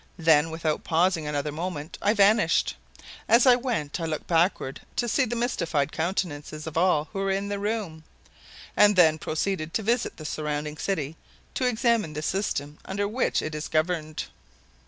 Then, without pausing another moment, I vanished. As I went, I looked backward to see the mystified countenances of all who were in the room, and then proceeded to visit the surrounding city to examine the system under which it is governed.